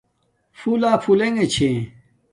پھُلݳ پھُلݵݣݺ چھݺ.